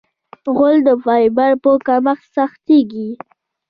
غول د فایبر په کمښت سختېږي.